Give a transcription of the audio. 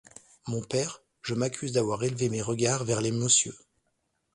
Mon père, je m’accuse d’avoir élevé mes regards vers les monsieurs.